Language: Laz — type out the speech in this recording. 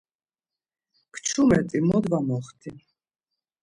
Kçumet̆i, mot var moxti?